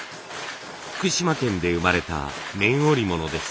福島県で生まれた綿織物です。